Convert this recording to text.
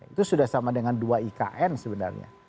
itu sudah sama dengan dua ikn sebenarnya